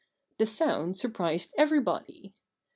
The sound surprised everybody.